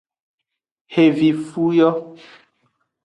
Xevifu yo.